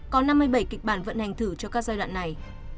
có năm mươi bảy kịch bản vận hành thử cho các giai đoạn này